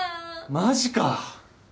マジか。